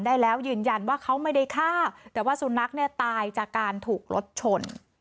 ได้แล้วยืนยันว่าเขาไม่ได้ฆ่าแต่ว่าสุนัขเนี่ยตายจากการถูกรถชน